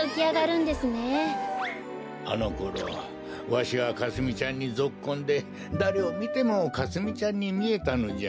あのころわしはかすみちゃんにぞっこんでだれをみてもかすみちゃんにみえたのじゃ。